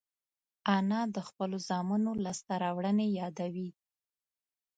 انا د خپلو زامنو لاسته راوړنې یادوي